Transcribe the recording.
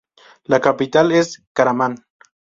La capital es Karaman.